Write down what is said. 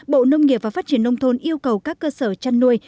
bộ nông nghiệp và phát triển nông thôn yêu cầu các cơ sở chăn nuôi